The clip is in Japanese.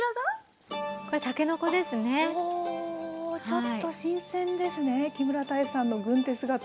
ちょっと新鮮ですね木村多江さんの軍手姿。